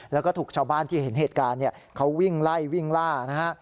แล้วก็ถูกชาวบ้านที่เห็นเหตุการณ์เขาวิ่งไล่วิ่งล่านะฮะ